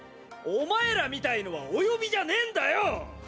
お前らみたいのはお呼びじゃねえんだよ！